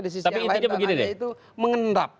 di sisi yang lain dana dana itu mengendap